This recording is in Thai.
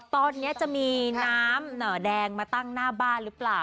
ตอนนี้จะมีน้ำแดงมาตั้งหน้าบ้านหรือเปล่า